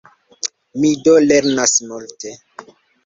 Mi do lernas multe.